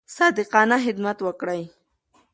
صادقانه خدمت وکړئ.